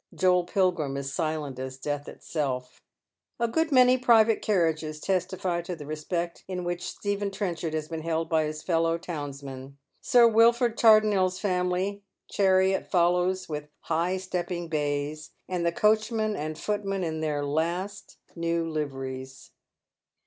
Joel Pilgrim is silent as death itself. A good many private carriages testify to the respect in which Stephen Trenchard has been held by his fellow townsmen. Sir Wilford Cardonnel's family chariot follows with high stepping bays, and the coachman and footman in their last new liveries.